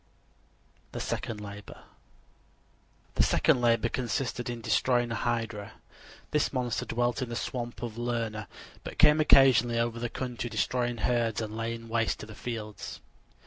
THE SECOND LABOR The second labor consisted in destroying a hydra. This monster dwelt in the swamp of Lerna, but came occasionally over the country, destroying herds and laying waste the fields.